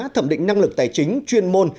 thẩm định năng lực tài chính chuyên môn